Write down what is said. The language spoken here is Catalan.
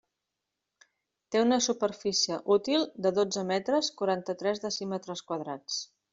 Té una superfície útil de dotze metres, quaranta-tres decímetres quadrats.